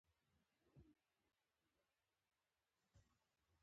غوړه څېرۍ ښوون چناررنګی غرني ونې دي.